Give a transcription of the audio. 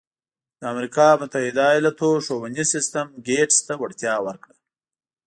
د امریکا متحده ایالتونو ښوونیز سیستم ګېټس ته وړتیا ورکړه.